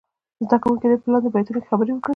زده کوونکي دې په لاندې بیتونو خبرې وکړي.